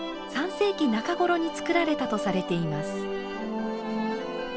３世紀中頃に造られたとされています。